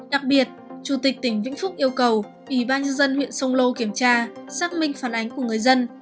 đặc biệt chủ tịch tỉnh vĩnh phúc yêu cầu ubnd huyện sông lô kiểm tra xác minh phản ánh của người dân